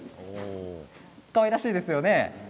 かわいらしいですよね。